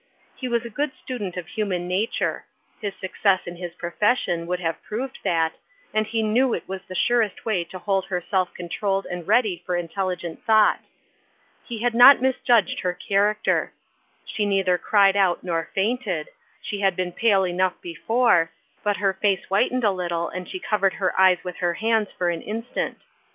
He was a good student of human nature ; his success in his profession would have proved that, and he knew it was the surest way to hold her self controlled and ready for intelligent thought. He had not misjudged her character. She neither cried out nor fainted ; she had been pale enough before, but her face whitened a little and she covered her eyes with her hands for an instant.